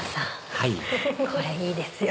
はいこれいいですよ！